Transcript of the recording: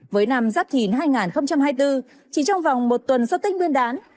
với năm giáp thỉnh hai nghìn hai mươi bốn chỉ trong vòng một tuần so tích nguyên đán